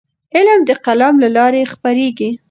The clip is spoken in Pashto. علم د قلم له لارې خپرېږي.